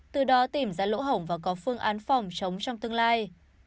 từ đó tìm ra lỗ hổng và có phương án phòng chống trong tương lai